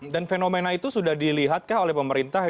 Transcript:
dan fenomena itu sudah dilihat oleh pemerintah